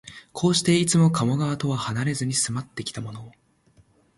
こうして、いつも加茂川とはなれずに住まってきたのも、